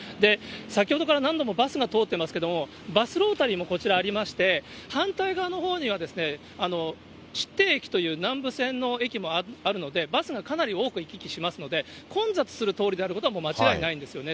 先ほどから何度もバスが通っていますけれども、バスロータリーもこちらありまして、反対側のほうには、駅という、南武線の駅もあるので、バスがかなり多く行き来しますので、混雑する通りであることはもう間違いないんですよね。